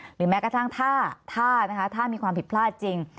หรือแม้กระทั่งถ้าถ้านะคะถ้ามีความผิดพลาดจริง